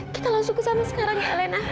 kita langsung kesana sekarang ya alena